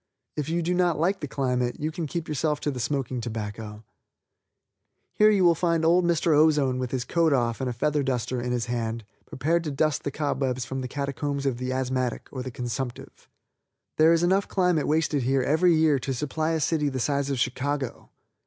If you do not like the climate you can keep yourself to the smoking tobacco. Here you will find old Mr. Ozone with his coat off and a feather duster in his hand, prepared to dust the cobwebs from the catacombs of the asthmatic or the consumptive. There is enough climate wasted here every year to supply a city the size of Chicago.